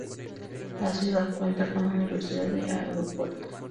La ciudad cuenta con universidad y aeropuerto.